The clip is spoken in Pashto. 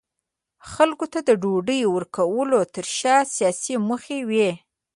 خلکو ته د ډوډۍ ورکولو ترشا سیاسي موخې وې.